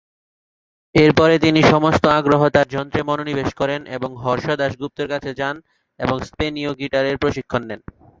এরপরে, তিনি সমস্ত আগ্রহ তার-যন্ত্রে মনোনিবেশ করেন এবং হর্ষ দাশগুপ্তের কাছে যান এবং স্পেনীয় গিটারের প্রশিক্ষণ নেন।